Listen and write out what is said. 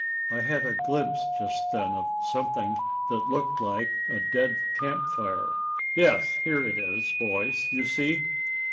"I had a glimpse just then of something that looked like a dead camp fire. Yes, here it is, boys, you see."